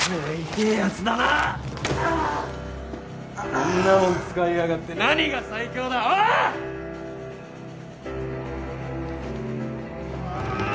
こんなもん使いやがって何が最強だ。ああ！？うお！